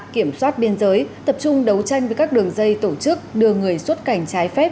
kiểm soát biên giới tập trung đấu tranh với các đường dây tổ chức đưa người xuất cảnh trái phép